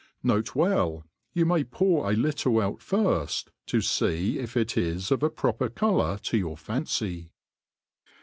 N. B. You may ptnir a little out firfl:, to fee if it is .of a jproper coloor to your fancy.